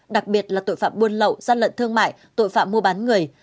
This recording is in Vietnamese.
đặc biệt là tội phạm buôn lậu gian lận thương mại tội phạm mua bán người